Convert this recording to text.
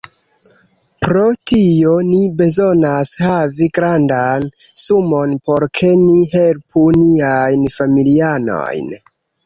Pro tio, ni bezonas havi grandan sumon por ke ni helpu niajn familianojn